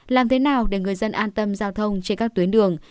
làm thế nào để người dân an tâm giao thông trên các tuyến đường